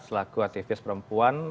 selaku aktivis perempuan